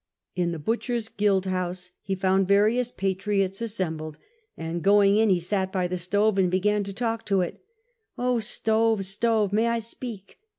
In the Butchers' Guildhouse he found various patriots assembled, and going in he sat by the stove and began to talk to it: " Oh, stove, stove! may I speak